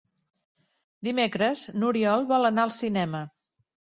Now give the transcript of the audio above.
Dimecres n'Oriol vol anar al cinema.